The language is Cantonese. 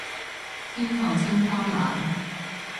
天后清湯腩